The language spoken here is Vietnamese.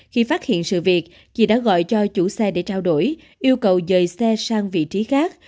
khi phát hiện sự việc chị đã gọi cho chủ xe để trao đổi yêu cầu rời xe sang vị trí khác